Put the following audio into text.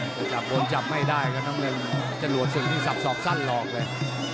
ถ้าจับโดนจับไม่ได้ก็ต้องเล่นจะหลวดสิ่งที่สับสอบสั้นหลอกเลย